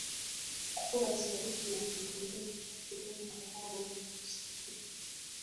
Kuwa zaidi ya milioni tatu Lugha yao ni Kisukuma